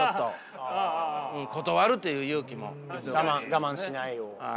我慢しないように。